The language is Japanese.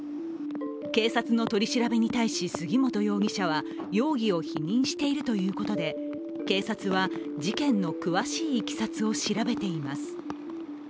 警察の取り調べに対し杉本容疑者は容疑を否認しているということで、警察は事件の詳しいいきさつを調べています。